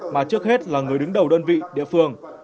mà trước hết là người đứng đầu đơn vị địa phương